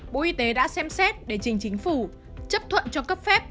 bộ y tế đã xem xét để trình chính phủ chấp thuận cho cấp phép